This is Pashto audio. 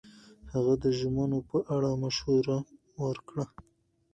هغه د ژمنو په اړه مشوره ورکړه.